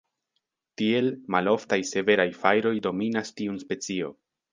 Tiel, maloftaj severaj fajroj dominas tiun specio.